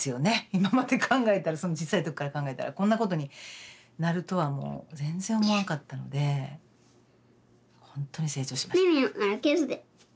今まで考えたら小さい時から考えたらこんなことになるとはもう全然思わんかったのでほんとに成長しました。